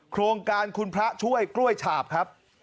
โครงการคุณพระช่วยกล้วยฉาบครับ